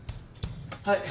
はい！